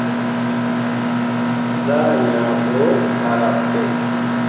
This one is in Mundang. Zah ŋiah ɓo hǝraɓ ɓe.